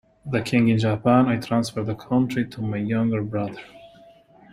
The king in Japan I transfer the country to my younger brother.